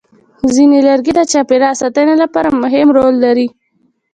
ځینې لرګي د چاپېریال ساتنې لپاره مهم رول لري.